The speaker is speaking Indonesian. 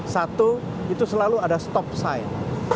satu itu selalu ada stop sign